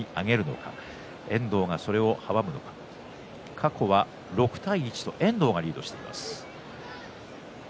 過去は６対１と遠藤がリードしています。